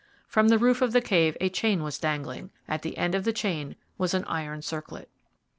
From the roof of the cave a chain was dangling. At the end of the chain was an iron circlet.